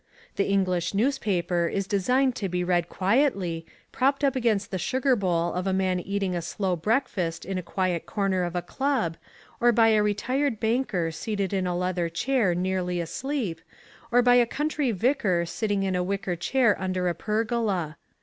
The English newspaper is designed to be read quietly, propped up against the sugar bowl of a man eating a slow breakfast in a quiet corner of a club, or by a retired banker seated in a leather chair nearly asleep, or by a country vicar sitting in a wicker chair under a pergola.